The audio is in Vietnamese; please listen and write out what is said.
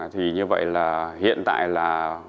thì như vậy là hiện tại là